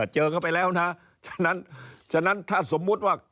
เจอกันไปแล้วนะฉะนั้นถ้าสมมุติว่า